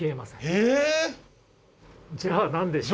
じゃあ何でしょう？